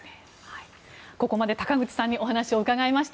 ここまで高口さんにお話を伺いました。